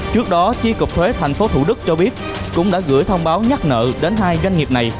trước đó chi cục thuế tp thủ đức cho biết cũng đã gửi thông báo nhắc nợ đến hai doanh nghiệp này